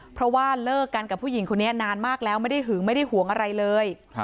เพราะว่าเลิกกันกับผู้หญิงคนนี้นานมากแล้วไม่ได้หึงไม่ได้ห่วงอะไรเลย